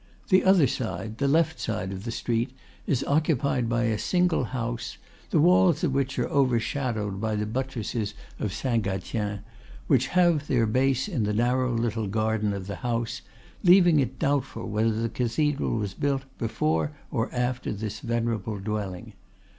The other side, the left side, of the street is occupied by a single house, the walls of which are overshadowed by the buttresses of Saint Gatien, which have their base in the narrow little garden of the house, leaving it doubtful whether the cathedral was built before or after this venerable dwelling.